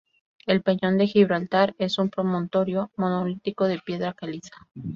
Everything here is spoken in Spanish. El peñón de Gibraltar es un promontorio monolítico de piedra caliza.